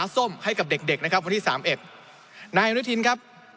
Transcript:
ฉีดเด็ก๓ขวบ